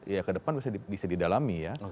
ya ke depan bisa didalami ya